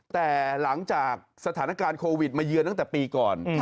แต่หลังจากสถานการณ์โควิดมาเยือนตั้งแต่ปีก่อน